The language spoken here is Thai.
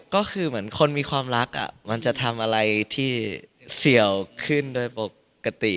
ก็คือเหมือนคนมีความรักมันจะทำอะไรที่เสี่ยวขึ้นโดยปกติ